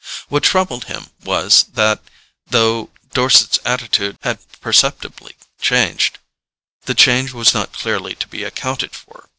What troubled him was that, though Dorset's attitude had perceptibly changed, the change was not clearly to be accounted for.